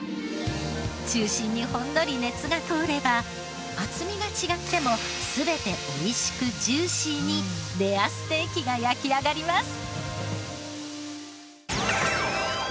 中心にほんのり熱が通れば厚みが違っても全て美味しくジューシーにレアステーキが焼き上がります。